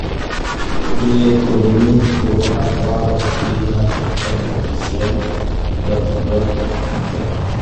Il est connu pour avoir été l'interprète officiel d'Adolf Hitler.